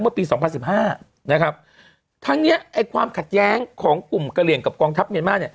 เมื่อปี๒๐๑๕ทั้งนี้ความขัดแย้งของกลุ่มกะเหลี่ยกับกองทัพเมียนม่า